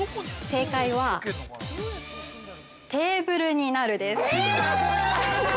◆正解は、テーブルになるです。